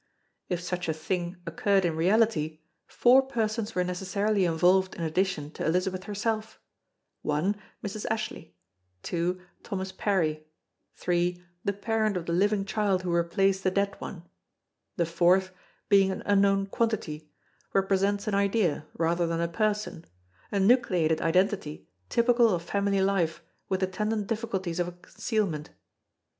If such a thing occurred in reality, four persons were necessarily involved in addition to Elizabeth herself: (1) Mrs. Ashley, (2) Thomas Parry, (3) the parent of the living child who replaced the dead one; the fourth, being an unknown quantity, represents an idea rather than a person a nucleated identity typical of family life with attendant difficulties of concealment.